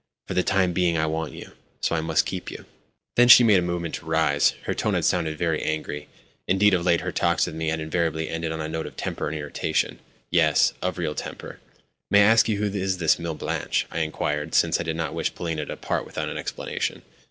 For the time being I want you, so I must keep you." Then she made a movement to rise. Her tone had sounded very angry. Indeed, of late her talks with me had invariably ended on a note of temper and irritation—yes, of real temper. "May I ask you who is this Mlle. Blanche?" I inquired (since I did not wish Polina to depart without an explanation).